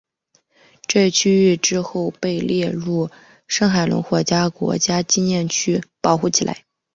这一区域之后被列入圣海伦火山国家纪念区保护起来。